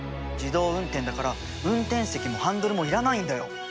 自動運転だから運転席もハンドルも要らないんだよ。